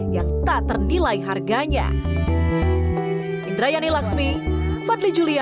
yang tak ternilai harganya